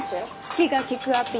気が利くアピール。